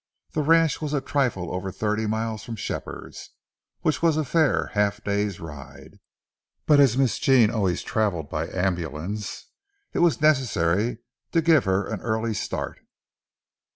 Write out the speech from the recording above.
The ranch was a trifle over thirty miles from Shepherd's, which was a fair half day's ride, but as Miss Jean always traveled by ambulance, it was necessary to give her an early start.